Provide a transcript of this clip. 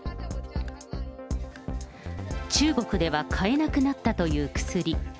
中国では買えなくなったという薬。